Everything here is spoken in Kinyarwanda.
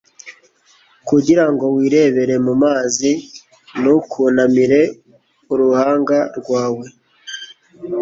kugira ngo wirebere mu mazi, ntukunamire uruhanga rwawe